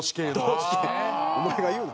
お前が言うな！